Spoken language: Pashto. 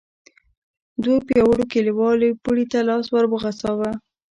دوو پياوړو کليوالو پړي ته لاس ور وغځاوه.